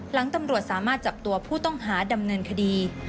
หลังตำรวจสามารถจับตัวผู้ต้องหาดำเนินคดี